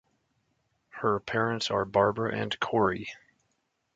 Her parents are Barbara and Corey.